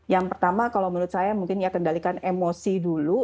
yang pertama kalau menurut saya mungkin ya kendalikan emosi dulu